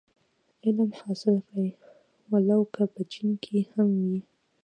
علم حاصل کړی و لو که په چين کي هم وي.